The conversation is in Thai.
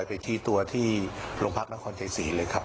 ไปทีตัวที่โรงพรรคนครเจสีเลยครับ